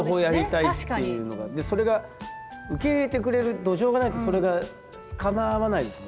それが受け入れてくれる土壌がないとそれが叶わないですもんね。